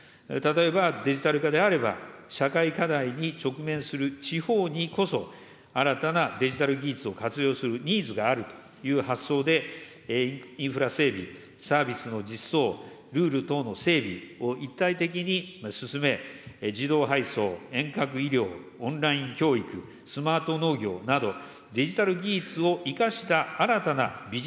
例えばデジタル化であれば、社会課題に直面する地方にこそ、新たなデジタル技術を活用するニーズがあるという発想で、インフラ整備、サービスの実装、ルール等の整備を一体的に進め、自動配送、遠隔医療、オンライン教育、スマート農業など、